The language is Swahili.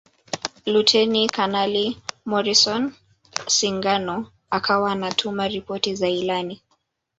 Luteni Kanali Morrison Singano akawa anatuma ripoti za ilani